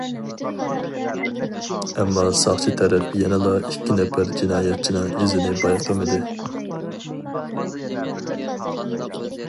ئەمما ساقچى تەرەپ يەنىلا ئىككى نەپەر جىنايەتچىنىڭ ئىزىنى بايقىمىدى.